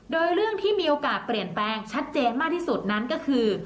โดยเรื่องที่มีโอกาสเปลี่ยนแปลงชัดเจนมากที่สุดนั้นก็คือ